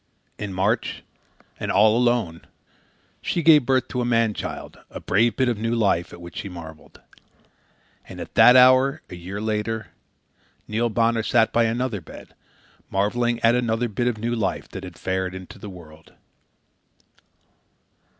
In March, and all alone, she gave birth to a man child, a brave bit of new life at which she marvelled. And at that hour, a year later, Neil Bonner sat by another bed, marvelling at another bit of new life that had fared into the world.